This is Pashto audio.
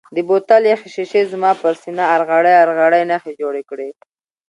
د بوتل یخې شیشې زما پر سینه ارغړۍ ارغړۍ نښې جوړې کړې.